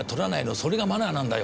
それがマナーなんだよ。